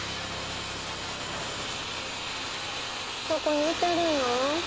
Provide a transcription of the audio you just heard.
そこにいてるの？